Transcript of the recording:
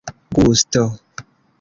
gusto